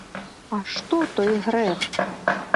А што той грэх?